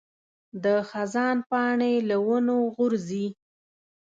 د خزان پاڼې له ونو غورځي.